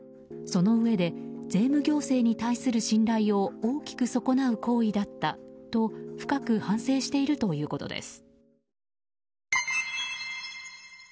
そのうえで税務行政に対する信頼を大きく損なう行為だったと深く反省しているということです。